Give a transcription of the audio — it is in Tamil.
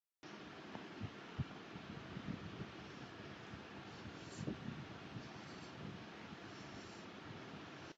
சேனாவரையர் சாத்தனும் வந்தான் என்னும் உம்மை கொற்றனும் வந்தான் என்னும் எச்சங் குறித்து நிற்றலின் எச்ச உம்மை.